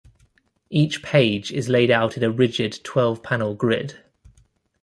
Each page is laid out in a rigid twelve-panel grid.